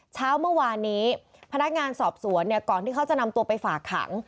เช้าเมื่อวานนี้พนักงานสอบสวนเนี่ยก่อนที่เขาจะนำตัวไปฝากขัง